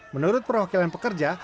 menurut perwakilan pekerja